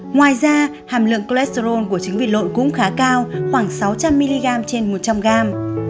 ngoài ra hàm lượng cholesterol của trứng vịt lội cũng khá cao khoảng sáu trăm linh mg trên một trăm linh gram